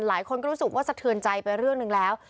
หลายคนก็รู้สึกว่าสะเทือนใจไปเรื่องหนึ่งแล้ว